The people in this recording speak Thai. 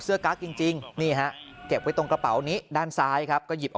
กั๊กจริงนี่ฮะเก็บไว้ตรงกระเป๋านี้ด้านซ้ายครับก็หยิบออก